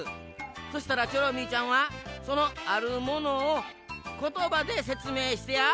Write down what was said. そしたらチョロミーちゃんはそのあるものをことばでせつめいしてや。